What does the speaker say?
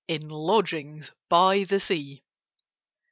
In lodgings by the Sea.